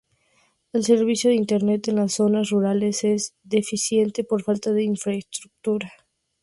El servicio de internet en las zonas rurales es deficiente por falta de infraestructura.